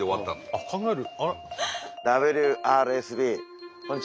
あっ考える。